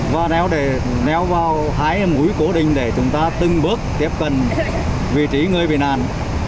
và néo vào hai mũi cố định để chúng ta từng bước tiếp cận vị trí người bị nạn